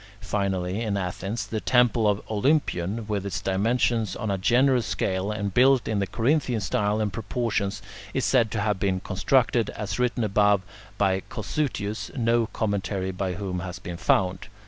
Finally, in Athens, the temple of the Olympion with its dimensions on a generous scale, and built in the Corinthian style and proportions, is said to have been constructed, as written above, by Cossutius, no commentary by whom has been found.